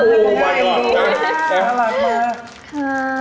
น่ารักมาก